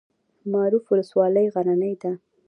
معروف ولسوالۍ غرنۍ ده؟